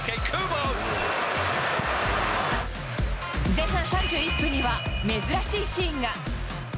前半３１分には、珍しいシーンが。